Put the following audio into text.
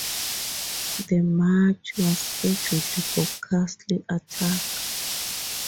The match was scheduled for Castle Attack.